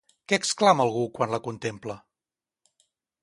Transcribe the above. Què exclama algú quan la contempla?